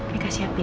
nih kak siapin ya